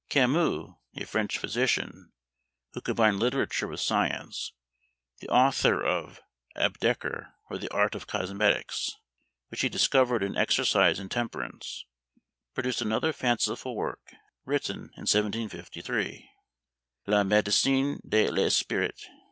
Camus, a French physician, who combined literature with science, the author of "Abdeker, or the Art of Cosmetics," which he discovered in exercise and temperance, produced another fanciful work, written in 1753, "La Médecine de l'Esprit."